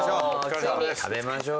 食べましょう。